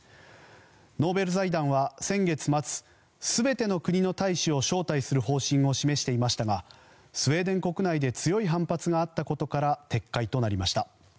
ノーベル財団は先月末全ての国の大使を招待する方針を示していましたがスウェーデン国内で強い反発があったことから撤回となりました。